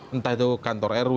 entah itu kantor rw